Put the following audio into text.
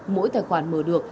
mỗi tài khoản mở được